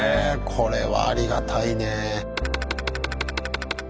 これはありがたいね。